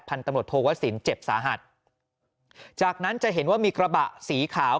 ตำรวจโทวสินเจ็บสาหัสจากนั้นจะเห็นว่ามีกระบะสีขาว